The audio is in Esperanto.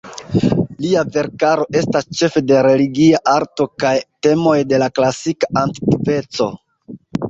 Lia verkaro estas ĉefe de religia arto kaj temoj de la klasika antikveco.